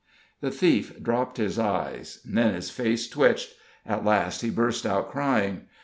The thief dropped his eyes, then his face twitched; at last he burst out crying.